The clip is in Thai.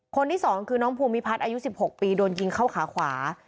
คนที่๒คือน้องภูมิพัฒน์อายุ๑๖ปีโดนยิงเข้าขาขวา